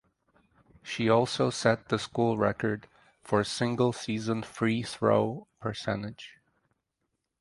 She also set the school record for single season free throw percentage.